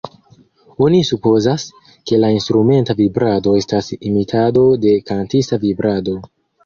Oni supozas, ke la instrumenta vibrado estas imitado de kantista vibrado.